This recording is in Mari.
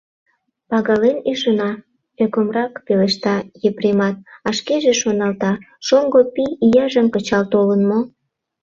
— Пагален ӱжына, — ӧкымрак пелешта Епремат, а шкеже шоналта: «Шоҥго пий, ияжым кычал толын мо?»